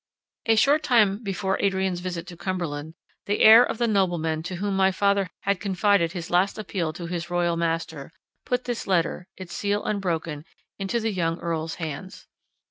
A short time before Adrian's visit to Cumberland, the heir of the nobleman to whom my father had confided his last appeal to his royal master, put this letter, its seal unbroken, into the young Earl's hands.